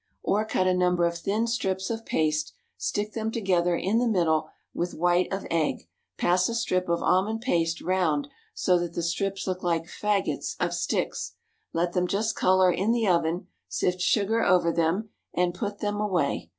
Or cut a number of thin strips of paste, stick them together in the middle with white of egg, pass a strip of almond paste round so that the strips look like fagots of sticks, let them just color in the oven, sift sugar over them, and put them away.